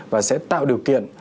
và sẽ tạo điều kiện